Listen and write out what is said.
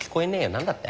何だって？